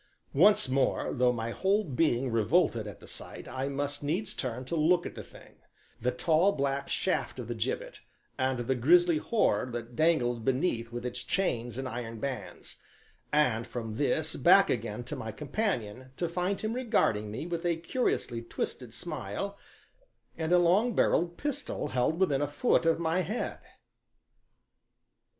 Once more, though my whole being revolted at the sight, I must needs turn to look at the thing the tall, black shaft of the gibbet, and the grisly horror that dangled beneath with its chains and iron bands; and from this, back again to my companion, to find him regarding me with a curiously twisted smile, and a long barrelled pistol held within a foot of my head.